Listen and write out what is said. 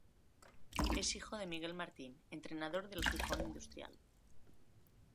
Es hijo de Miguel Martín, entrenador del Gijón Industrial.